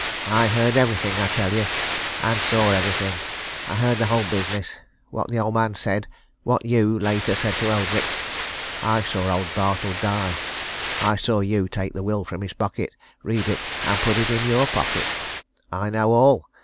I heard everything, I tell you! and saw everything. I heard the whole business what the old man said what you, later, said to Eldrick. I saw old Bartle die I saw you take the will from his pocket, read it, and put it in your pocket. I know all!